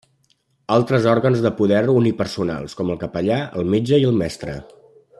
Altres òrgans de poder unipersonals com el capellà, el metge i el mestre.